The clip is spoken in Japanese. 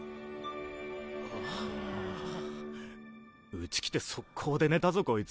うち来て即行で寝たぞこいつ。